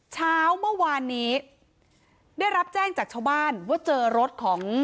เช้าเมื่อวานนี้ได้รับแจ้งจากชาวบ้านว่าเจอรถของ